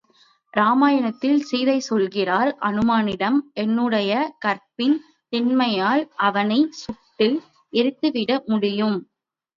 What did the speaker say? இராமாயணத்தில் சீதை சொல்கிறாள் அனுமனிடம் என்னுடைய கற்பின் திண்மையால் அவனை சுட்டு எரித்துவிடமுடியும்.